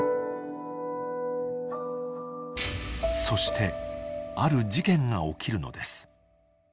［そしてある事件が起きるのです］